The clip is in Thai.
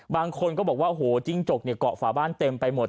บางคนก็บอกว่าโอ้โหจิ้งจกเนี่ยเกาะฝาบ้านเต็มไปหมด